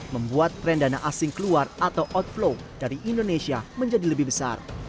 membuat tren dana asing keluar atau outflow dari indonesia menjadi lebih besar